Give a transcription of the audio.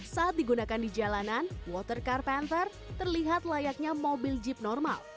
saat digunakan di jalanan watercar panther terlihat layaknya mobil jeep normal